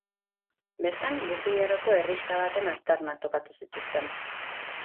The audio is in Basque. Bertan Burdin Aroko herrixka baten aztarnak topatu zituzten.